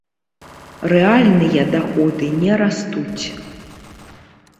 Рэальныя даходы не растуць.